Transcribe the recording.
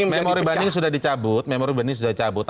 memori banding sudah dicabut